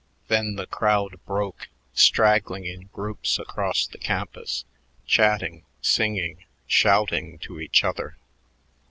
Then the crowd broke, straggling in groups across the campus, chatting, singing, shouting to each other.